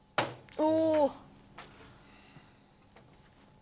お！